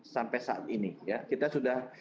sampai saat ini ya kita sudah